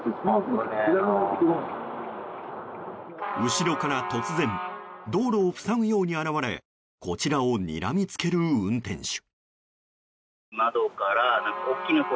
後ろから突然道路を塞ぐように現れこちらをにらみつける運転手。